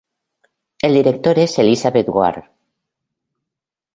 El director es Elisabeth Ward.